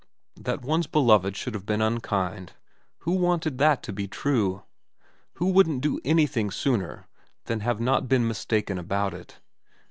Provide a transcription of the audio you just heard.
That one's beloved should have been unkind, who wanted that to be true ? Who wouldn't do anything sooner than have not been mistaken about it